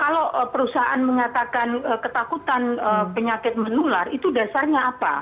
kalau perusahaan mengatakan ketakutan penyakit menular itu dasarnya apa